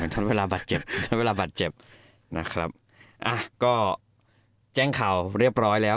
ใช้เวลาบาดเจ็บใช้เวลาบาดเจ็บนะครับอ่ะก็แจ้งข่าวเรียบร้อยแล้ว